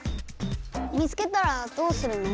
見つけたらどうするの？